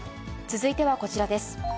続いてはこちらです。